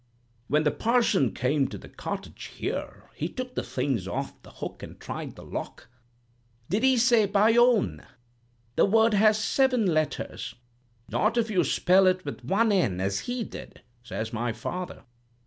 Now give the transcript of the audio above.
When the parson came to the cottage here, he took the things off the hook and tried the lock. 'Did he say "Bayonne?' The word has seven letters.' "'Not if you spell it with one "n" as he did,' says my father.